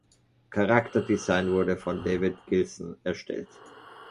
Charakter-Design wurde von David Gilson erstellt.